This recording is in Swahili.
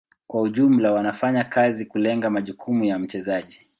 Kwa ujumla wanafanya kazi kulenga majukumu ya mchezaji.